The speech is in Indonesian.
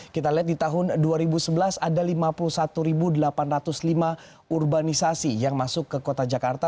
kita lihat di tahun dua ribu sebelas ada lima puluh satu delapan ratus lima urbanisasi yang masuk ke kota jakarta